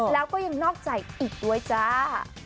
แล้วก็ยังนอกใจอีกด้วยจ้า